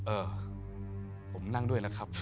เออผมนั่งด้วยแล้วครับ